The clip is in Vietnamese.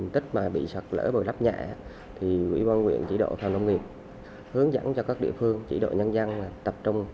tích mà bị sật lỡ bởi đắp nhẹ thì quỹ quan quyền chỉ độ phòng công nghiệp hướng dẫn cho các địa phương chỉ độ nhân dân là tập trung